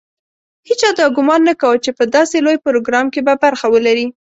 هېچا دا ګومان نه کاوه چې په داسې لوی پروګرام کې به برخه ولري.